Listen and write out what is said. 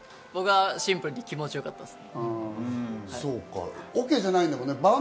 僕はシンプルに気持ちよかったですね。